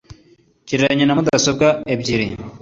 Gereranya na mudasobwa ebyiri